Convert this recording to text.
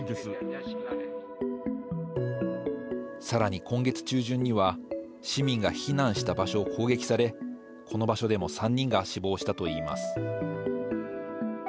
さらに今月中旬には市民が避難した場所を攻撃されこの場所でも３人が死亡したといいます。